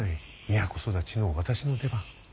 都育ちの私の出番。